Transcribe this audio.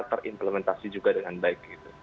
terimplementasi juga dengan baik